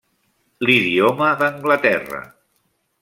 L'idioma d'Anglaterra.